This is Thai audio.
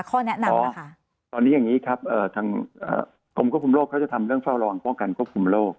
ข้อแนะนำนะคะตอนนี้อย่างนี้ครับทางกรมควบคุมโรคเขาจะทำเรื่องเฝ้าระวังป้องกันควบคุมโรค